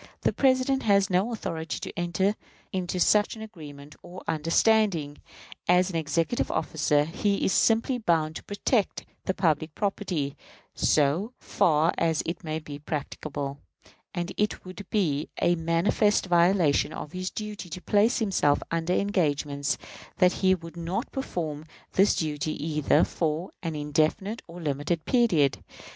The President has no authority to enter into such an agreement or understanding. As an executive officer, he is simply bound to protect the public property, so far as this may be practicable; and it would be a manifest violation of his duty to place himself under engagements that he would not perform this duty either for an indefinite or limited period.